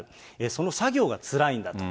その作業がつらいんだと。